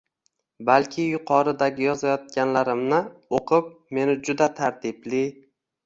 Balki yuqoridagi yozayotganlarimni o’qib meni juda tartibli